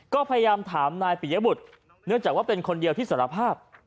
ก็พยายามถามนายปิยบุตรเนื่องจากว่าเป็นคนเดียวที่สารภาพ